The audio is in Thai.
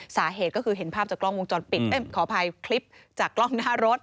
สาเหตุก็คือเห็นภาพจากกล้องวงจรปิดขออภัยคลิปจากกล้องหน้ารถ